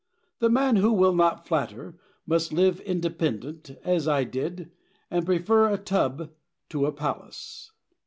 The man who will not flatter must live independent, as I did, and prefer a tub to a palace.